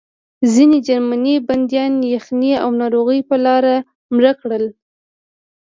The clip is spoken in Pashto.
ځینې جرمني بندیان یخنۍ او ناروغۍ په لاره مړه کړل